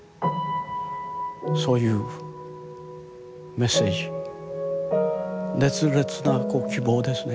そういうメッセージ熱烈な希望ですね。